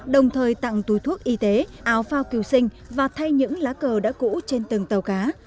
đồng thời tặng túi thuốc y tế áo phao cứu sinh và thay những lá cờ đã cũ trên từng tàu cá